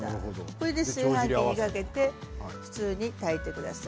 これで炊飯器にかけて普通に炊いてください。